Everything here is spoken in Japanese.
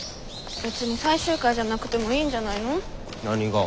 別に最終回じゃなくてもいいんじゃないの？何が？